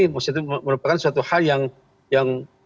menurut saya itu merupakan suatu hal yang